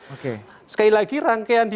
oke sekali lagi rangkaian di